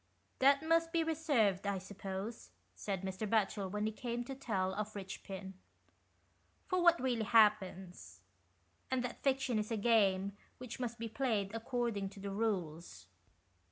" That must be reserved, I suppose," said Mr. Batchel, when he came to tell of Richpin, " for what really happens ; and that fiction is a game which must be played according to the rules."